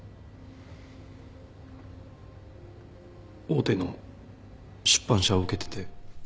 大手の出版社を受けてて。